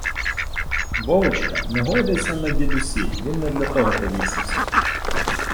Вовочка, не гойдайся на дідусі, він не для цього повісився